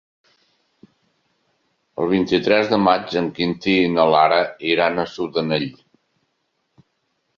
El vint-i-tres de maig en Quintí i na Lara iran a Sudanell.